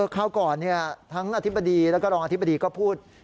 คราวก่อนทั้งอธิบดีแล้วก็รองอธิบดีก็พูด